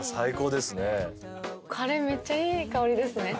カレーめっちゃいい香りですね。